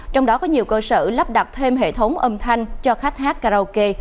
trong đó có nhiều cơ sở lắp đặt thêm hệ thống âm thanh cho khách hát karaoke